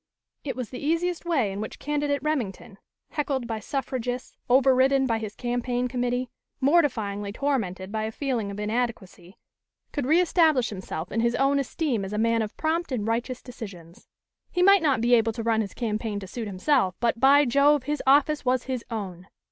It was the easiest way in which candidate Remington, heckled by suffragists, overridden by his campaign committee, mortifyingly tormented by a feeling of inadequacy, could re establish himself in his own esteem as a man of prompt and righteous decisions. He might not be able to run his campaign to suit himself, but, by Jove, his office was his own!